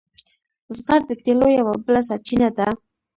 زغر د تیلو یوه بله سرچینه ده.